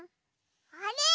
あれ？